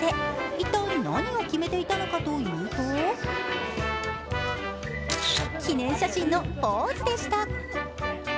一体、何を決めていたのかというと記念写真のポーズでした。